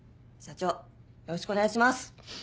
社長よろしくお願いします！